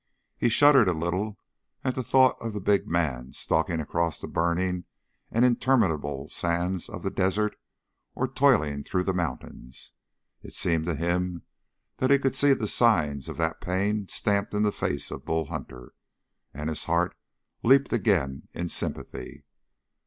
He shuddered a little at the thought of the big man stalking across the burning and interminable sands of the desert or toiling through the mountains. It seemed to him that he could see the signs of that pain stamped in the face of Bull Hunter, and his heart leaped again in sympathy.